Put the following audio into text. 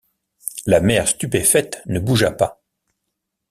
La mère stupéfaite ne bougea pas.